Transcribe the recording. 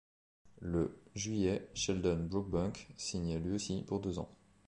Le juillet, Sheldon Brookbank, signe lui aussi pour deux ans.